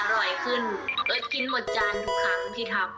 อร่อยขึ้นกินหมดจานทั้งที่ทำ